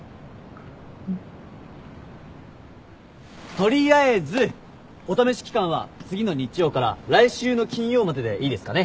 取りあえずお試し期間は次の日曜から来週の金曜まででいいですかね？